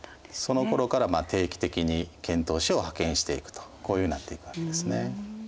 そのころから定期的に遣唐使を派遣していくとこういうふうになっていくわけですね。